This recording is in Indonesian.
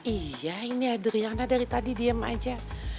iya ini aderiana dari tadi diem aja